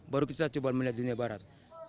baru kita coba melihat dunia barat